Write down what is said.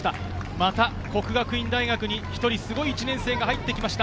また國學院大學に１人すごい１年生が入ってきました。